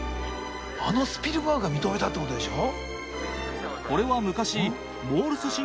あのスピルバーグが認めたってことでしょ？